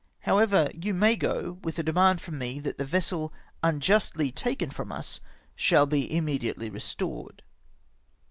However, you may go, witli a demand from me that the vessel un justly taken from us shall be immediately restored."